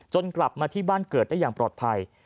กลับมาที่บ้านเกิดได้อย่างปลอดภัย